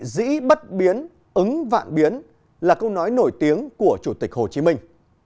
dĩ bất biến ứng vạn biến là câu nói nổi tiếng của chủ tịch hồ chí minh